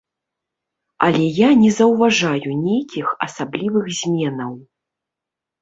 Але я не заўважаю нейкіх асаблівых зменаў.